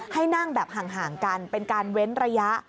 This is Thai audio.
ให้นั่งแบบห่างกันเป็นการเว้นระยะ